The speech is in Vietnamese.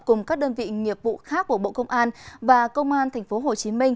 cùng các đơn vị nghiệp vụ khác của bộ công an và công an tp hcm